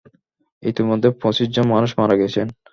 ইতোমধ্যে পচিশ জন মানুষ মারা গেছেন।